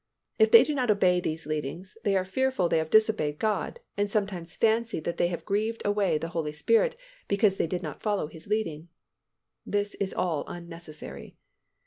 If they do not obey these leadings, they are fearful they have disobeyed God and sometimes fancy that they have grieved away the Holy Spirit, because they did not follow His leading. This is all unnecessary.